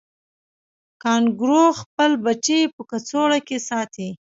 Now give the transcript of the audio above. کانګارو خپل بچی په کڅوړه کې ساتي